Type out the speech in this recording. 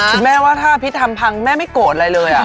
คุณแม่ว่าถ้าพี่ทำพังแม่ไม่โกรธอะไรเลย